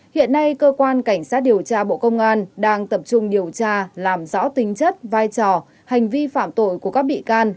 hiện nay cơ quan cảnh sát điều tra bộ công an đang tập trung điều tra làm rõ tính chất vai trò hành vi phạm tội của các bị can